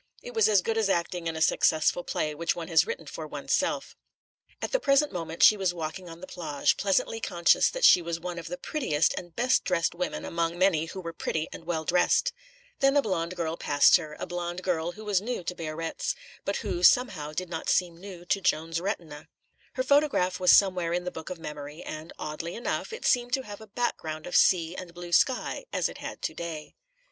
It was as good as acting in a successful play which one has written for oneself. At the present moment she was walking on the plage, pleasantly conscious that she was one of the prettiest and best dressed women among many who were pretty and well dressed. Then a blonde girl passed her, a blonde girl who was new to Biarritz, but who, somehow, did not seem new to Joan's retina. Her photograph was somewhere in the book of memory, and, oddly enough, it seemed to have a background of sea and blue sky, as it had to day.